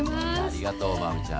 ありがとう真海ちゃん。